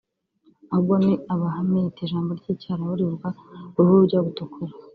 ahubwo ni aba Hamite( Ijambo ry’icyarabu rivuga uruhu rujya gutukura)